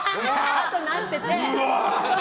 っとなってて。